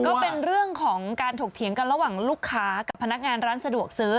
ก็เป็นเรื่องของการถกเถียงกันระหว่างลูกค้ากับพนักงานร้านสะดวกซื้อ